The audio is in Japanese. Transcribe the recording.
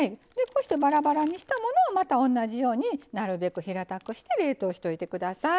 こうしてバラバラにしたものをまた同じようになるべく平たくして冷凍しといてください。